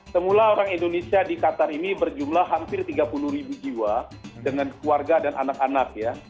semula orang indonesia di qatar ini berjumlah hampir tiga puluh ribu jiwa dengan keluarga dan anak anak ya